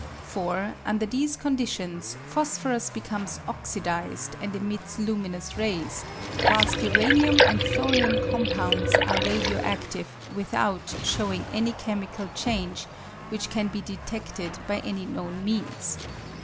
For, under these conditions, phosphorus becomes oxidised and emits luminous rays, whilst uranium and thorium compounds are radio adive without showing any chemical change which can be deteded by any known rneans.